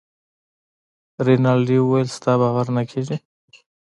رینالډي وویل ستا باور نه کیږي.